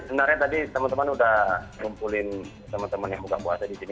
sebenarnya tadi teman teman udah ngumpulin teman teman yang buka puasa di sini